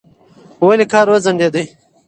ولې کار وځنډېد؟